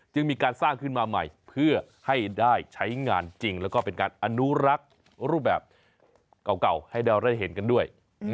จึงมีการสร้างขึ้นมาใหม่เพื่อให้ได้ใช้งานจริงแล้วก็เป็นการอนุรักษ์รูปแบบเก่าให้เราได้เห็นกันด้วย